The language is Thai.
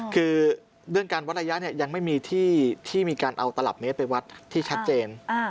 คือเรื่องการวัดระยะยังไม่มีที่มีการเอาตลับเมตรไปวัดที่ชัดเจน